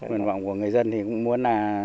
mình bảo của người dân thì cũng muốn là